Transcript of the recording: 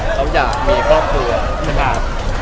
เขาอยากมีครอบครัว